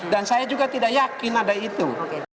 dan saya juga tidak yakin ada itu